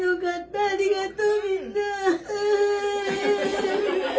ありがとう。